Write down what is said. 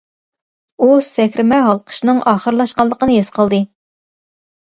ئۇ سەكرىمە ھالقىشنىڭ ئاخىرلاشقانلىقىنى ھېس قىلدى.